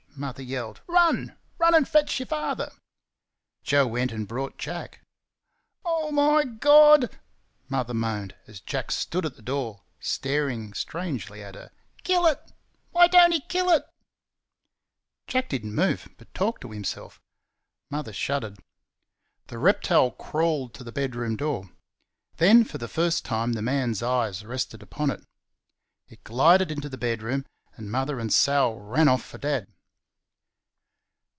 Mother yelled. "Run! RUN, and fetch your father!" Joe went and brought Jack. "Oh h, my God!" Mother moaned, as Jack stood at the door, staring strangely at her. "Kill it! why don't he kill it?" Jack did n't move, but talked to himself. Mother shuddered. The reptile crawled to the bedroom door. Then for the first time the man's eyes rested upon it. It glided into the bedroom, and Mother and Sal ran off for Dad.